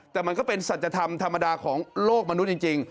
แต่มันก็เป็นสัจธรรมธรรมดาของโลกมนุษย์จริง